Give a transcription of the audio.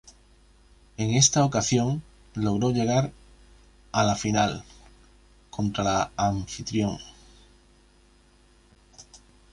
En esta ocasión, logró llegar a la final, contra la anfitrión.